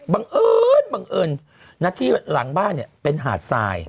บังเอิญบังเอิญที่หลังบ้านเนี่ยเป็นหาดทราย